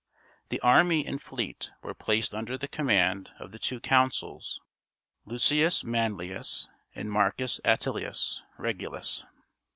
The army and fleet were placed under the command of the two consuls, Lucius Manlius and Marcus Attilius Regulus.